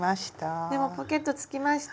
でもポケットつきました！